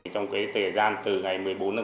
trong cái thời gian từ ngày một mươi bốn sáu